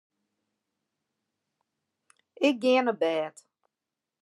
Ik gean op bêd.